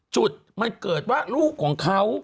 จุดมันเกิดว่าลูกของเขา